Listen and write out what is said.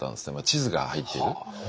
地図が入っている。